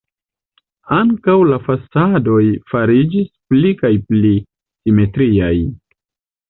Ankaŭ la fasadoj fariĝis pli kaj pli simetriaj.